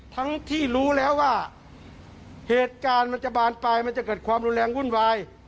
ทั้งที่รู้แล้วว่าเหตุการณ์มันจะบานปลายมันจะเกิดความรุนแรงวุ่นวาย